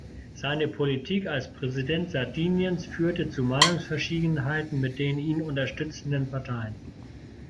Seine Politik als Präsident Sardiniens führte zu Meinungsverschiedenheiten mit den ihn unterstützenden Parteien.